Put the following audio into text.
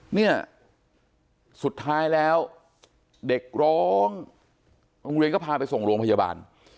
เนี่ยสุดท้ายแล้วเด็กร้องโรงเรียนก็พาไปส่งโรงพยาบาล